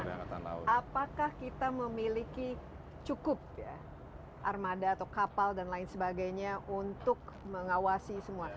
apakah kita memiliki cukup ya armada atau kapal dan lain sebagainya untuk mengawasi semua